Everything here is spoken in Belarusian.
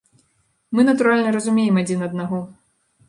Мы, натуральна, разумеем адзін аднаго.